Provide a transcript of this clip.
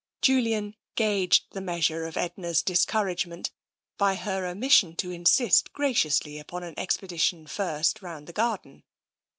Julian gauged the measure of Edna's discouragement by her omission to insist graciously upon an expedition first round the garden.